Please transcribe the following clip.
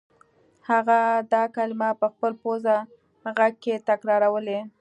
هغه دا کلمې په خپل پوزه غږ کې تکرارولې